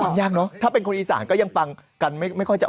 ยากเนอะถ้าเป็นคนอีสานก็ยังฟังกันไม่ค่อยจะ